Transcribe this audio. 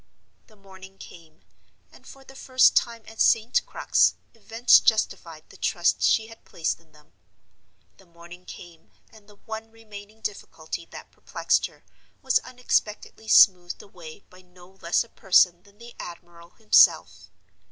The morning came, and for the first time at St. Crux events justified the trust she had placed in them. The morning came, and the one remaining difficulty that perplexed her was unexpectedly smoothed away by no less a person than the admiral himself!